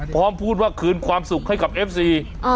พูดว่าคืนความสุขให้กับเอฟซี